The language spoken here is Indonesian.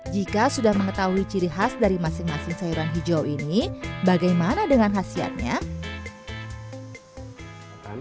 jika sudah mengetahui ciri khas dari masing masing sayuran hijau ini bagaimana dengan khasiatnya